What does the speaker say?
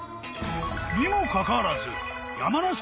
［にもかかわらず］